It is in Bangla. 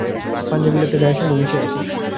পাঞ্জাবি লেপ্টে গায়ের সঙ্গে মিশে আছে।